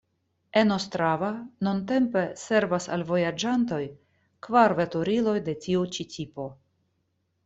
En Ostrava nuntempe servas al vojaĝantoj kvar veturiloj de tiu ĉi tipo.